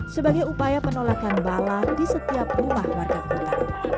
sebagai upaya penolakan bala di setiap rumah warga kota